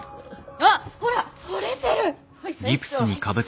あっほら取れてる！